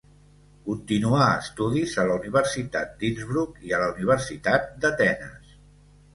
Continuà estudis a la Universitat d'Innsbruck i a la Universitat d'Atenes.